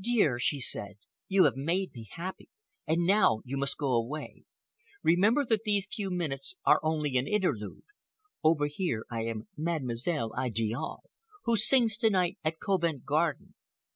"Dear," she said, "you have made me happy. And now you must go away. Remember that these few minutes are only an interlude. Over here I am Mademoiselle Idiale who sings to night at Covent Garden.